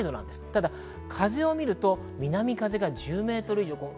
ただ風を見ると南風が１０メートル以上。